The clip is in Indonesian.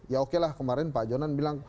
ya oke lah kemarin pak jonan bilang